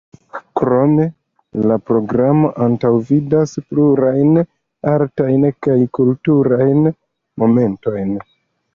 Krome la programo antaŭvidas plurajn artajn kaj kulturajn momentojn.